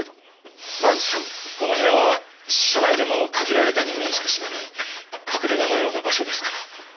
この部屋は社内でも限られた人間しか知らない隠れ家のような場所ですから。